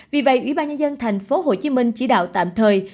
vì vậy ubnd tp hcm chỉ đạo tạm thời